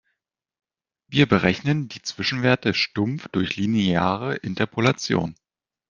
Wir berechnen die Zwischenwerte stumpf durch lineare Interpolation.